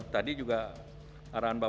tadi juga arahan bapak